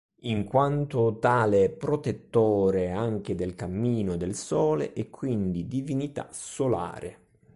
In quanto tale protettore anche del cammino del Sole e quindi divinità solare.